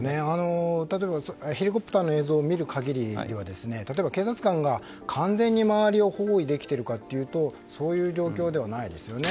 例えば、ヘリコプターの映像を見る限りでは例えば警察官が完全に周りを包囲できているかというとそういう状況ではないですよね。